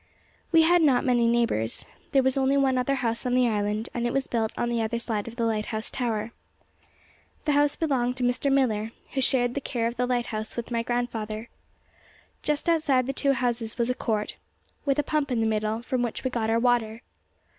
We had not many neighbours. There was only one other house on the island, and it was built on the other side of the lighthouse tower. The house belonged to Mr. Millar, who shared the care of the lighthouse with my grandfather. Just outside the two houses was a court, with a pump in the middle, from which we got our water.